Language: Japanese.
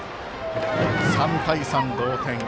３対３の同点。